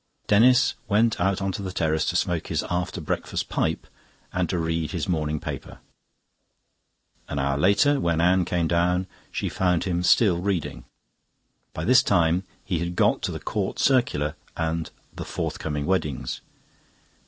Denis went out on to the terrace to smoke his after breakfast pipe and to read his morning paper. An hour later, when Anne came down, she found him still reading. By this time he had got to the Court Circular and the Forthcoming Weddings.